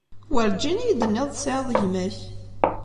Werǧin i yi-d-tenniḍ tesɛiḍ gma-k.